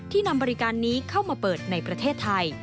นำบริการนี้เข้ามาเปิดในประเทศไทย